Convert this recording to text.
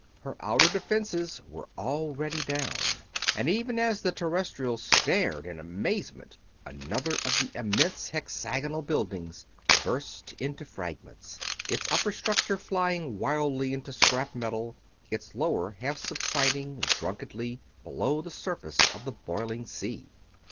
Her outer defenses were already down, and even as the Terrestrials stared in amazement another of the immense hexagonal buildings burst into fragments; its upper structure flying wildly into scrap metal, its lower half subsiding drunkenly below the surface of the boiling sea.